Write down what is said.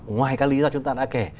ngoài các lý do chúng ta đã kể